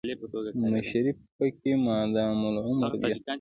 مشري پکې مادام العمر وه.